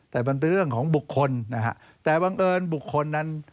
แต่มันเป็นเรื่องของบุคคลนะฮะแต่บังเอิญบุคคลนั้น